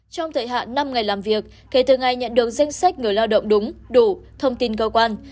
trong thời hạn năm ngày làm việc kể từ ngày nhận được danh sách người lao động đúng đủ thông tin cơ quan